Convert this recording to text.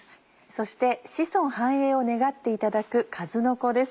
そして子孫繁栄を願っていただくかずのこです。